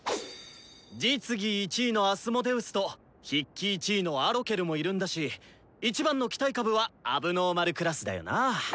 実技１位のアスモデウスと筆記１位のアロケルもいるんだし一番の期待株は問題児クラスだよな！